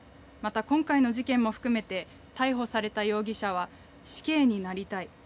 また今回の事件も含めて逮捕された容疑者は死刑になりたい。